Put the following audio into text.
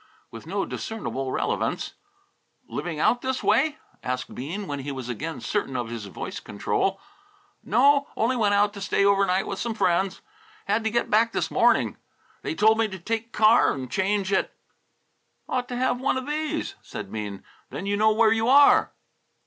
with no discernible relevance. "Living out this way?" asked Bean when he was again certain of his voice control. "No; only went out to stay over night with some friends. Had to get back this morning. They told me to take that car and change at " "Ought to have one these," said Bean, "then you know where you are."